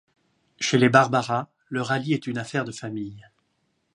Chez les Barbara, le rallye est une affaire de famille.